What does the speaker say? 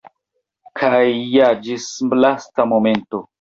Kaj ja ĝis lasta momento!